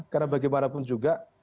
karena bagaimanapun juga